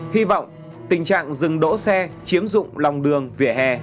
hy vọng tình trạng dừng đỗ xe chiếm dụng lòng đường vỉa hè